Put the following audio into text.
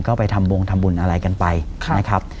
ก็ไปทำบงทำบุญอะไรกันไปนะครับ